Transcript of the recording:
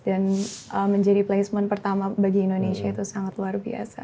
dan menjadi placement pertama bagi indonesia itu sangat luar biasa